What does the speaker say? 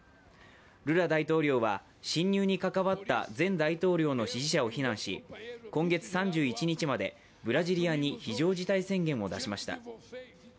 ルラ大統領は、侵入に関わった前大統領の支持者を非難し、今月３１日までブラジリアに非常事態宣言を出しました。